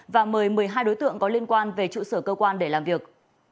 và mời một mươi hai đối tượng có liên quan về trụ sở cơ quan để làm việc